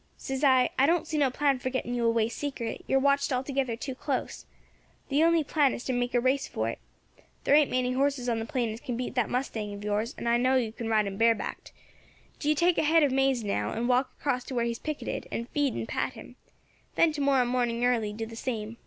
"Says I, 'I don't see no plan for getting you away secret, you are watched altogether too close, the only plan is to make a race for it. There ain't many horses on the plain as can beat that mustang of yours, and I know you can ride him barebacked. Do you take a head of maize now and walk across to where he is picketed, and feed and pat him; then to morrow morning early do the same.